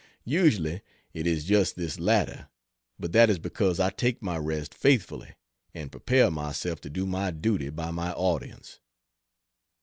Usually it is just this latter, but that is because I take my rest faithfully, and prepare myself to do my duty by my audience.